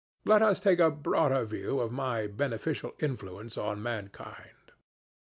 Let us take a broader view of my beneficial influence on mankind.